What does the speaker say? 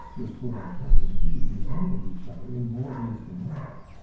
Sauvageot indeed resembled each other in more ways than one.